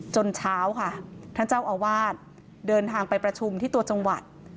เช้าค่ะท่านเจ้าอาวาสเดินทางไปประชุมที่ตัวจังหวัด